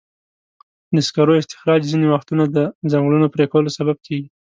د سکرو استخراج ځینې وختونه د ځنګلونو پرېکولو سبب کېږي.